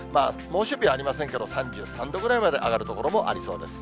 猛暑日はありませんけど、３３度ぐらいまで上がる所もありそうです。